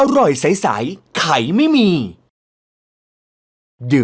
อร่อยสาย